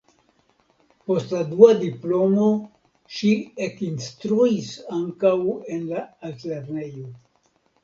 Post la dua diplomo ŝi ekinstruis ankaŭ en la altlernejo.